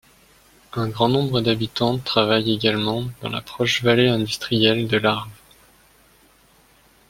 Un grand nombre d'habitants travaillent également dans la proche vallée industrielle de l'Arve.